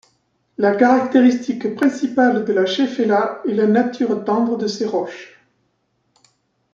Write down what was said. La caractéristique principale de la Shéphélah est la nature tendre de ses roches.